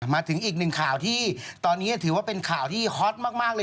มาถึงอีกหนึ่งข่าวที่ตอนนี้ถือว่าเป็นข่าวที่ฮอตมากเลย